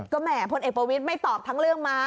แหม่พลเอกประวิทย์ไม่ตอบทั้งเรื่องม้า